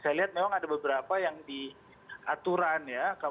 saya lihat memang ada beberapa yang di aturan ya